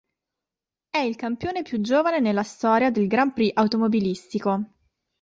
È il campione più giovane nella storia del grand prix automobilistico.